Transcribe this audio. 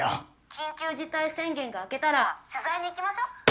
緊急事態宣言が明けたら取材に行きましょう。